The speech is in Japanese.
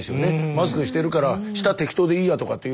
マスクしてるから下は適当でいいやとかっていう。